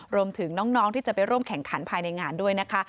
รวมถึงน้องที่จะไปร่วมแข่งขันภายในงานด้วยนะคะ